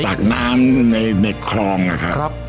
จากน้ำในคลองนะครับ